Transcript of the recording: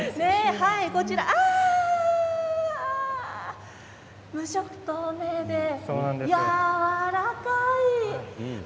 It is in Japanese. こちら無色透明でやわらかいです。